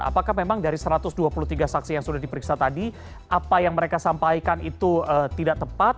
apakah memang dari satu ratus dua puluh tiga saksi yang sudah diperiksa tadi apa yang mereka sampaikan itu tidak tepat